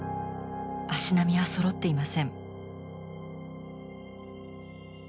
足並みはそろっていません。